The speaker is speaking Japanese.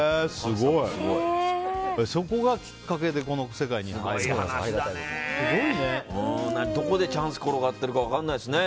そこがきっかけでどこでチャンス転がってるか分からないですね。